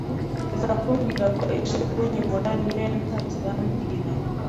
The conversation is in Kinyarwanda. iza kumbwirako ije kunyimura, niyo yansanze irambwira,